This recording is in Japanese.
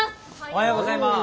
おはようございます！